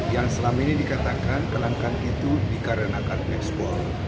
yang selama ini dikatakan kelangkaan itu dikarenakan ekspor